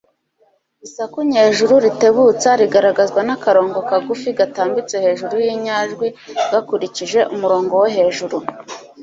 isaku nyejuru ritebutsa rigaragazwa n'akarongo kagufi gatambitse hejuru y'inyajwi gakurikije umurongo wo hejuru